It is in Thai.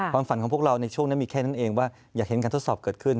ความฝันของพวกเราในช่วงนั้นมีแค่นั้นเองว่าอยากเห็นการทดสอบเกิดขึ้น